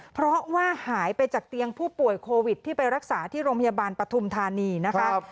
เพราะว่าหายไปจากเตียงผู้ป่วยโควิดที่ไปรักษาที่โรงพยาบาลปฐุมธานีนะคะ